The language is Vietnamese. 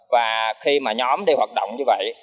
và khi mà nhóm đi hoạt động như vậy